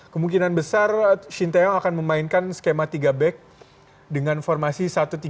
kemungkinan besar shin taeyong akan memainkan skema tiga back dengan formasi satu tiga